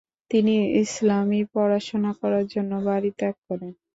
তিনি ইসলামী পড়াশোনা করার জন্য বাড়ি ত্যাগ করেন।